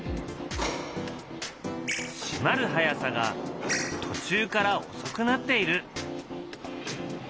閉まる速さが途中からおそくなっている。